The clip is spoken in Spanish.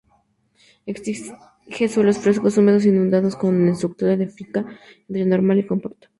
Exige suelos fresco-húmedos a inundados, con estructura edáfica entre normal y compacta.